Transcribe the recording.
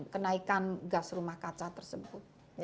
kenaikan gas rumah kaca tersebut